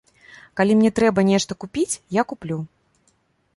Калі мне трэба нешта купіць, я куплю.